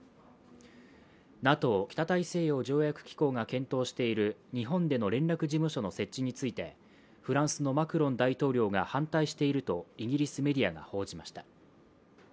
ＮＡＴＯ＝北大西洋条約機構が検討している日本での連絡事務所の設置についてフランスのマクロン大統領が反対しているとイギリスメディアが報じました。